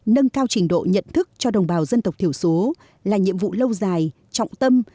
nâng cao trình độ nhận thức cho đồng bào dân tộc thiểu số là nhiệm vụ lâu dài trọng tâm